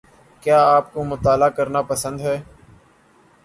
کیا آپ کو مطالعہ کرنا پسند ہے